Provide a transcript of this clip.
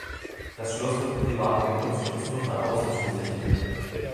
Das Schloss wird privat genutzt und ist nur von außen zu besichtigen.